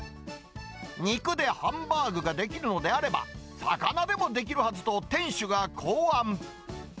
肉でハンバーグが出来るのであれば、魚でもできるはずと、店主が考案。